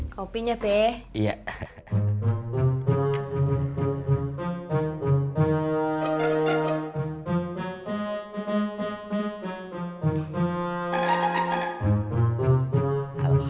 kepala pengiran tadi itu nggak clicks natuur abis t